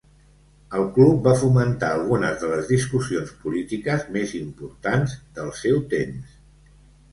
El club va fomentar algunes de les discussions polítiques més importants del seu temps.